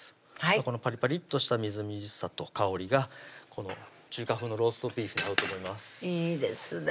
このパリパリッとしたみずみずしさと香りがこの「中華風ローストビーフ」に合うと思いますいいですね